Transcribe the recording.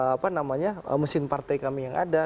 apa namanya mesin partai kami yang ada